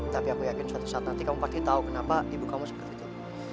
tapi aku yakin suatu saat nanti kamu pasti tau kenapa ibu kamu suka gitu